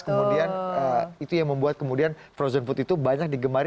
kemudian itu yang membuat kemudian frozen food itu banyak digemari